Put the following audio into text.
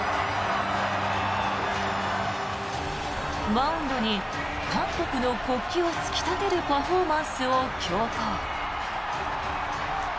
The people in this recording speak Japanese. マウンドに韓国の国旗を突き立てるパフォーマンスを強行。